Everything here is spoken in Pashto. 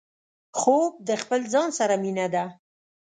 خوب د خپل ځان سره مينه ده